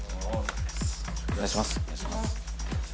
お願いします